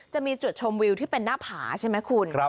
จะมีจุดชมวิวที่เป็นหน้าผาใช่ไหมคุณ